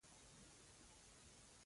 آوازې خپرې شوې.